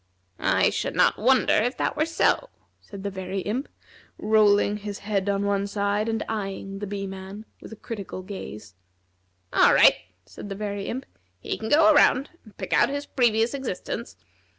"I should not wonder if that were so," said the Very Imp, rolling his head on one side, and eying the Bee man with a critical gaze. "All right," said the Very Imp; "he can go around, and pick out his previous existence.